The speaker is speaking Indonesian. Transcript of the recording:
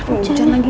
udah hujan lagi